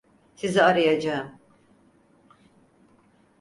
Sizi arayacağım.